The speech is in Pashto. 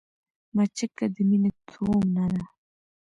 مچکه د مينې تومنه ده